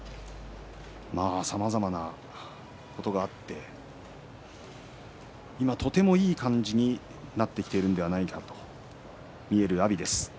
さまざまなことがあって今、とてもいい感じになってきているのではないかと見える阿炎です。